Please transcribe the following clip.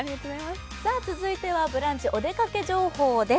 続いては、ブランチお出かけ情報です。